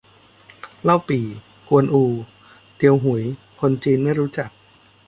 เล่าปี่ กวนอู เตียวหุย คนจีนไม่รู้จัก